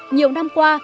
nhiều năm qua